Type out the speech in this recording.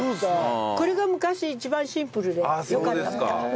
これが昔一番シンプルでよかったみたい。